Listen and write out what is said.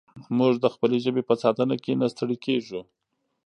موږ د خپلې ژبې په ساتنه کې نه ستړي کېږو.